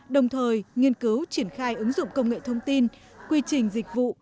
đồng thời nghiên cứu triển khai ứng dụng công nghệ thông tin quy trình dịch vụ